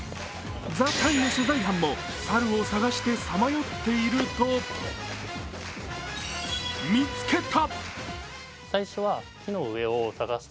「ＴＨＥＴＩＭＥ，」取材班も猿を探して、さまよっていると見つけた！